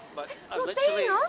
乗っていいの？